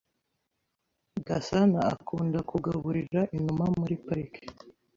Gasana akunda kugaburira inuma muri parike.